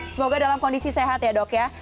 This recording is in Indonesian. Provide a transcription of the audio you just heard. semoga dalam kondisi sehat ya dok ya